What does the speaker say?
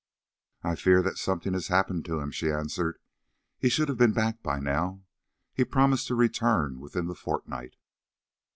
"I fear that something has happened to him," she answered; "he should have been back by now: he promised to return within the fortnight."